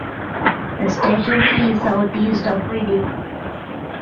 The station is south east of Reading.